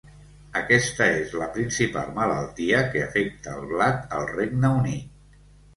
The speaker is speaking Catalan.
Aquesta és la principal malaltia que afecta el blat al Regne Unit.